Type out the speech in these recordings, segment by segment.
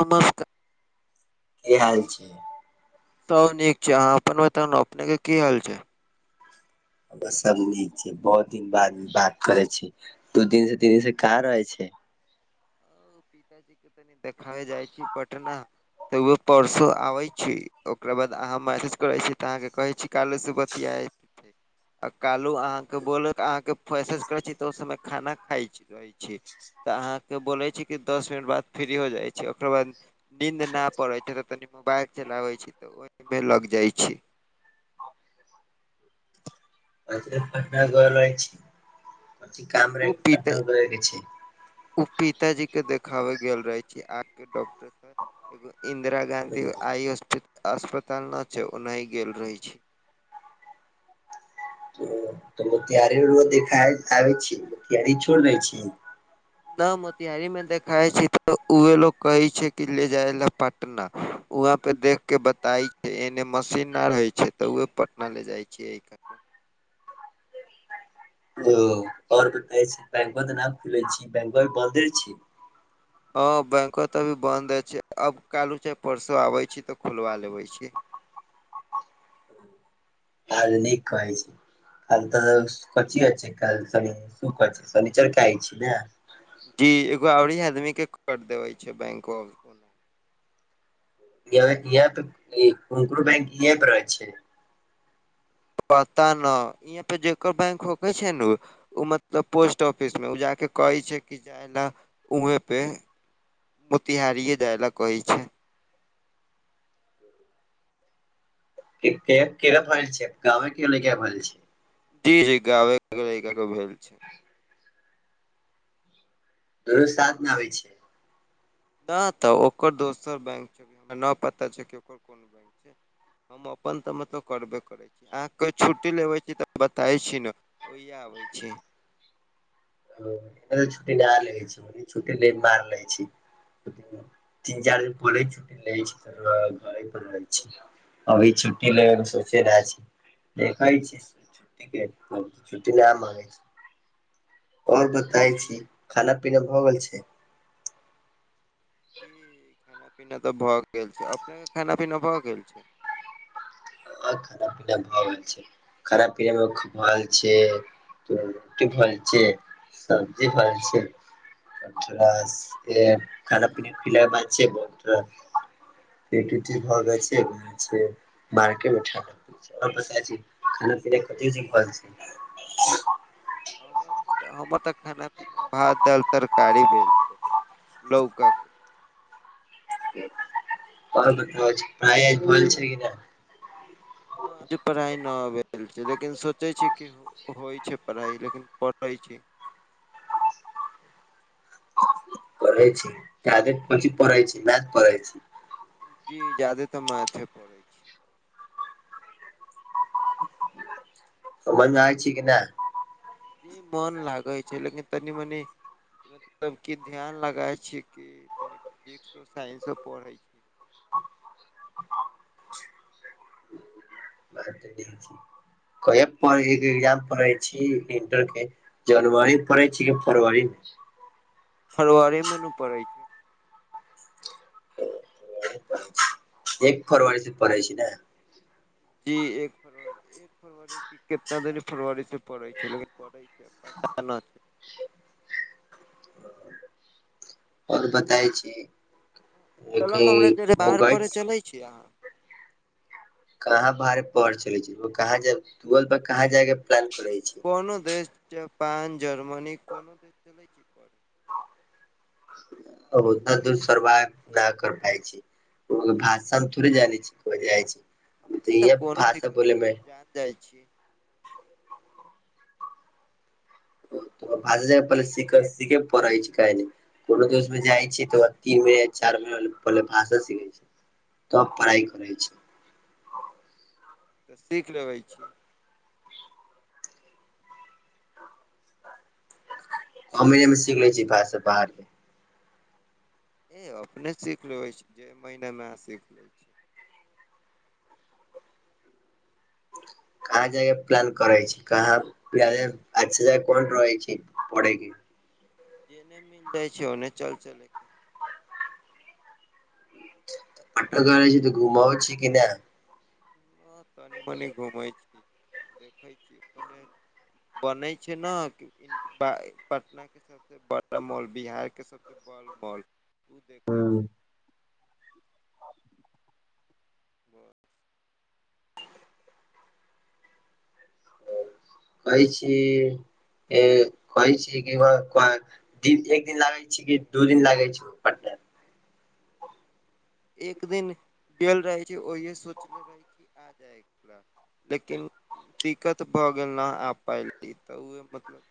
नमस्का की हाल छै? सब नीक छै अहाँ अपन बताउ न अपने के की हाल छै? बस सब नीक छै बहुत दिन बात करे छी तू दू दिन से तीन दिन से कह रहे छै? पिताजी के तनी देखावे जाइ छी पटना तऽ उ परसो आबै छै ओकरा बाद अहाँ मैसेज करै छी तऽ अहाँके कहे छी काले सुबह कियैऐ पीतै आ कालो अहाँ के बोलत अहाँके मैंसेज करे छी त ओ समय में खाना खाय छी। छी तऽ अहाँके बोलै छी कि दस मिनट बाद फ्री हो जाइ छी ओकर बाद नींद ना पड़े छै जे तऽ तनी मोबाइल चलाबे छी तऽ ओहिमे लग जाय छी [unintelligible] पटना ग रह छी प काम रहे पिता पटना [unintelligible] ओ पिताजी के देखाबे गेल रहे छी आँख के डॉक्टर के एगो इंदिरा गाँधी आई होस्टी अस्पताल न छै ओन्हय गेल रहय छै। [unintelligible] न मोतिहारी मे देखाए छी तऽ उहे लोग कहय छै कि ले जाय लै पट ना उहां पे देख के बताई एने मशीन न रहय हय छै त उहे पटना ले जाय छीयै एहि कै ओ और बताई छै बैंक वा तऽ न खुलय छी बैंकवा तै बंदे छी। हां बैंकवा तै अभी बंन्दे छै, अब काएल उ चाहे परसो आबय छै तै खूलबा लेबय छीयै। हाल निक कहय छै। कल तऽ कौंची अछि काएल शनी, शुक्र अछि, शनिचर के आए छी नै। जी एगो ओरी आदमी के कर देबय छै बैंकवा में। यैह-यैह तै ई [unintelligible] छै। पता नै ईहाँ पे जेकर बैंक होके छै ने उ उ मतलब पोस्ट ऑफिस मे उ जाके कहय छै कि जाय लै उहें पे। मोतिहारीेए जाय ल कहय छै। [unintelligible] जी-जी गावे के [inaudible] भेल छै। तोरो साथ नै आबय छै। न त ओकर दोसर बैंक छै, हमरा न पता छै की ओकर कोन बैंक छै, हम अपन तऽ मतलब करबे करय अहां के छुट्टी लेबे छी तऽ बताय छी नै ओहिया आबै छी। हां एतय छुट्टी न लै छीयै, छुट्टी [inaudible] छी। तीन-चार दिन पहले छुट्टी लेला छी त घरे पर रहय छी हम। अभी छुट्टी लेबय के सोचे न छी, देखय छी। छुट्टि के हम तै छुट्टि न मांगय छी। और बताय जी छी, खाना-पीना भऽ गेल छै? जी खाना-पीना तऽ भ गेल छै, अपने के खाना पीना भ गेल छै। अहां के खाना-पीना भऽ गेल छै? खाना-पीना मे [unintelligible] छै। सब्जी-भात छै। [unintelligible] खाना-पीना [unintelligible] [unintelligible] भ गेल छै, छै मार एके मे छा [unintelligible] खाना-पीना कथी [unintelligible] हमराऽ तै हमर तऽ खाना-पीना भात-दाल तरकारी भेल छै लौका के। और [unintelligible] पढ़ाई आय भेल छै की नै? आज पढ़ाई न भेल छै लेकिन सोचय छीयै की होय छै पढ़ाइ लेकिन पढ़य छी पढ़य छी जादे कौनची पढ़य छी, मैथ पढ़य छी। जी ज्यादेतर मैथे पढ़य छीयै। त वन जानय छीयै की नै? जी मन लागै छै लेकिन तनि-मनी मतलब कि ध्यान लगाए छीयै कि तनि फिजिक्सो, साइंसो पढ़य छी। कहिया पैढ़‌ के [unintelligible] जी इंटर के जनवरी पड़य छै कि फरवरी मे? फरवरीे मे नै उ पड़े छै। एक फरवरी से पढ़य छी नै? जी एक फरवरी एक कितना दिन फरवरी से पड़ै छै, लेकिन [unintelligible] पता न और बताय छी। [unintelligible] में हमरा बाहर पढ़य कही चलै छी अहाँ? कहाँ बाहरे पढ़ चलै छी? कहाँ जाय? बोलबा कहाँ जाय के प्लान करै छी? कोनो देश जापान, जर्मनी कोनो [unintelligible] अब ओतना दूर सरवाइव न कर पाय छी। ओ भाषामे थोड़े हम जानै छी, कोइ जाइ छैऽ, ए हमत तऽ इहै कोनो भाषा दिक्कत न बोलयमे छै, जाइ छी। [unintelligible] कोनो देस में जाइ छैै तऽओ तीन मे चार मे पहिले भाषा सिखै छै। तब पढ़ाइ करै छै। सीख लेबै। हमरे में सीख ले छी भाषा बाहर- इ अपने सीख लेबै छी, क महिनेमे। कहाँ जायके प्लान करै छी? कहां [unintelligible] पढय के? [unintelligible] कहय छै, ओन्ने चल जैब। पटक रहै छी तऽ, घुमाउ छी कि नय? [unintelligible] बने छै न, [unintelligible] बड़ा मॉल बिहार के हँ [unintelligible] [inaudible] बै छी [unintelligible] इ एक दिन लागे छै की दू दिन लागे छै पटना? एक दिन केबल रहै छै, ओहियेसो [unintelligible] [inaudible] लेकिन दिक्कत भऽ गेल न आब पाइली तऽ ओह मतलब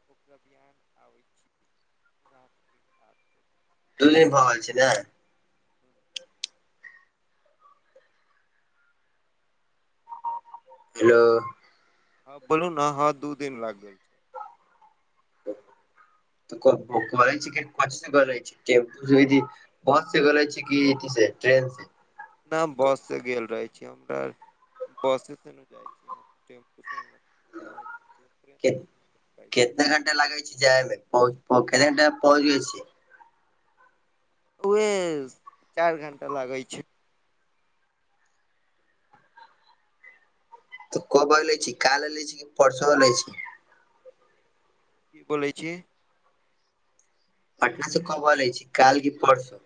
[inaudible] छी [unintelligible] भऽ रहल छियै ने? हेलो। हँ बोलू ने, हँ दू दिन लागबय। [unintelligible] बस से गेले छी की से ट्रेन से? न हम बससँ गेल रहै छी, हमरा बसस [unintelligible] [unintelligible] केित- कितना घंटा लागै छै जायमे? पहु-पहु कै घंटा मे पहुँच जाय छी? उहे चाइर घंटा लागैय छै। तऽ कब एले छी? काल एले छी कि परसो अले छी? की बोलै छी? पटना से कब अलै छी? काल की परसु?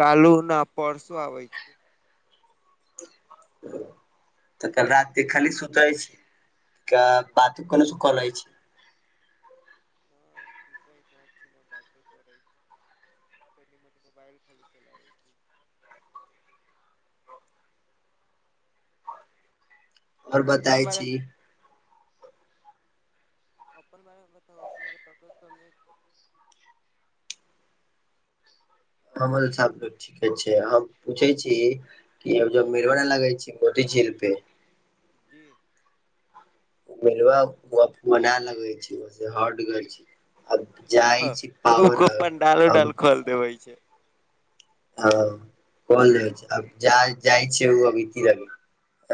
कालू न परसो आबै छी। कल राते के खाली सुतै छी। क्या बात कोने स कलै छी। न [unintelligible] और अहाँ अपन बताय बारेमे छी। अपन बारे में बताउ, अपने कत्त कत्त [unintelligible] हमर हिसाब से ठीके छै, हम पूछे छी कि ओ मेला नै लगे छै मोती झील पे जी। मिलवाउ, ओ औनाय लगै छै, हट गेल छै। अब हँ जाइ छी, पावर हाउस, अब फल देवै छै। हँ कोन ल छै जा जाइ छै ओ अभी [unintelligible] लब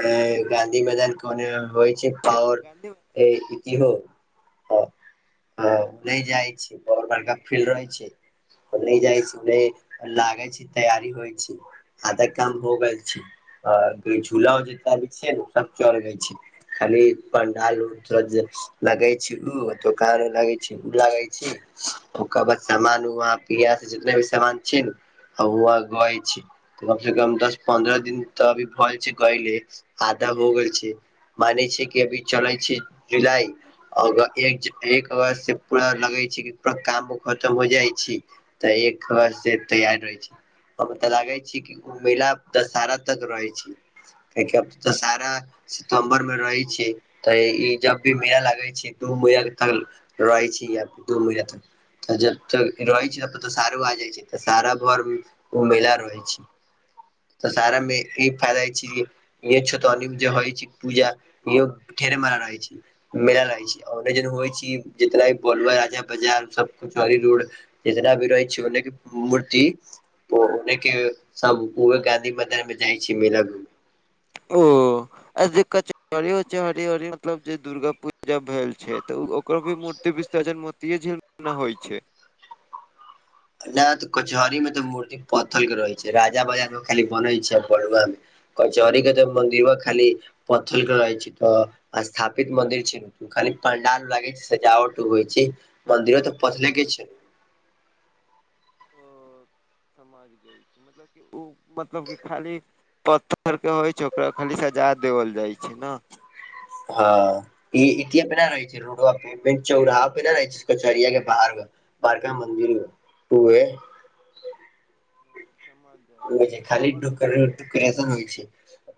नै गांधी मैदान कोने मे होइ छै पावर गाँधी ऐ इतिहो हां। हं नहि जाइ छै बहुत बड़का फील्ड रहै छै। नहि जाइ छी लागै छी तैयारी होइ छी। आधा काम हो गेल छै, झूला जितना भी छै ने ओ सब चल गेल छै। खाली पंडाल लगे छै उ ओत दुकान लगे छै ओ लगे छै। ओकर बाद सामान उ पिय जेना भी सन छै ने आ उ गै छै [unintelligible] कम से कम दस पन्द्रह दिन तऽ अभी भ गेल छै गयले आधा हो गेल छै। मानै छै कि अभी चलै छै जुलाइ अ एक एक अगस्त से पूरा लगै छै कि पूरा कामो खतम हो जाइ छै। तऽ एक अगस्त से तैयार रहै छै। हम तऽ लागे छी कि मेला दशहरा तक रहै छी। किए कि अब दशहरा सितम्बर मे रहै छी तऽ ई जब भी मेला लागै छै दूनु भैयारी तक रहै छी दूनु मिले त त जब तक रहै छै तब तऽ सारू आ जाइ छै तऽ सारा घर मे ओ महिला रहै छै, तऽ सारामे ई फायदा छी इह छ त अने जे होइ छै पूजा इ ठेर मारा रहै छै। मेला लागै छै ने होइ छै जितना भी बोल राजा प्रजा सब खुश रहै छी। जेतना अभी रहै छी ओनेके मूर्ति ओने के सब ओहे गांधी मैदान में जाइ छी मेला मे। ओ। ओ जे कचहरी उचहरि मतलब जे दुर्गा पूजा भेल छै त ओ कभी मूर्ति विसर्जन मोतीझीले मे ने होइ छै। नहि तऽ कचहरी में तऽ मूर्ति पत्थल के रहै छै, राजा बाजार मे खाली बनै छै बरुआ मे। कचहरी के मन्दिरबा खाली पथरके रहै छै तऽ ओ स्थापित मन्दिर छै न। खाली पंडाल लागे छै सजावट होइ छै मंन्दिरो तऽ पथले के छै। ओ समझ गइल, मतलब कि ओ मतलब की खाली पत्थर के होइ छै ओकरा खाली सजा देवल जाइ छै ने। हँ ई अथिये पे ना रहै छै। ओकरा मे फेर चौराहा पे न रहे कचहरिया के बाहर बड़का मन्दिर मे। उहे। हूँ समझ जाइ हो छी खाली आओर बताउ डन होइ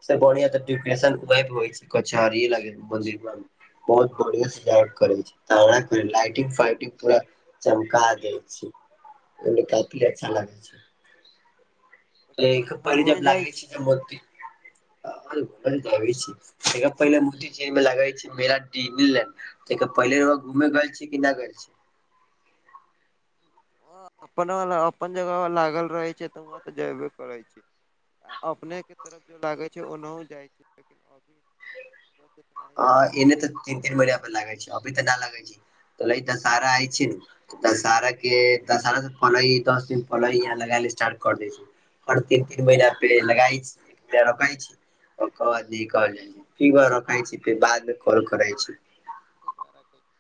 से बढ़िया तऽ अहाँ डन उ घूमे होइ जाइ छै [unintelligible] कचहरी लागे मन्दिरमे। बहुत बढ़िआ से करै छै, फाइटिंग फाइटिंग पूरा चमका दै छै ओ काफी अच्छा लगै छै। छी कि त अहाँ पहिले घूमे जब जाइ लागाै छी छै ने मूर्ती ै पहिल म लगै छै [unintelligible] त पहिले र घूमे गेल छी,? कि ना गेल छी ह अपनाले अपन जगह लागल रहे छै, त वहं तऽ जेबे करै छी। अपने के तरफ जो लागे छै, ओना जाइ छै, लेकिन अभी ही दूर गेल एने तऽ रही तीन -तीन महिना पर लागे छै, अभी तऽ नहि लागै छै, त तऽ सारा आइ छै ने। दशहरा के, दशरा से पल दस दिन पल यहाँ लगायले स्टार्ट कर दै छै। हर तीन- तीन महीना प लगई छै, र छै। ओकर बाद न कहल जाइ छै, फर रख छै, फेर बाद मे कल करै छै। ठीक बा राखै छी।